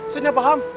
saya tidak paham